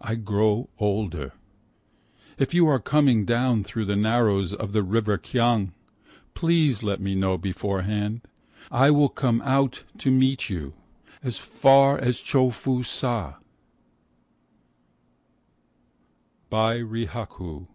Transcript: I grow older, If you are coming down through the narrows of the river Kiang, Please let me know beforehand, And I will come out to meet you, As far as Cho fu Sa. By Rihaku.